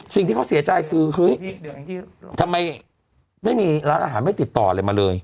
สิ่งที่เขาเสียใจคือเฮ้ยทำไมไม่มีร้านอาหารไม่ติดต่ออะไรมาเลย